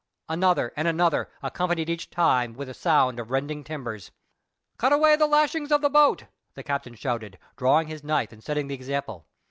Another and another, accompanied each time with the sound of rending timbers. "Cut away the lashings of the boat!" the captain shouted, drawing his knife and setting the example.